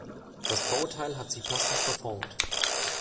Das Bauteil hat sich plastisch verformt.